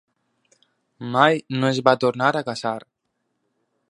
Mai no es va tornar a casar.